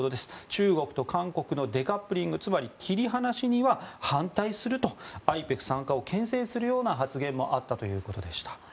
中国と韓国のデカップリングつまり切り離しには反対するとＩＰＥＦ参加を牽制するような発言もあったということでした。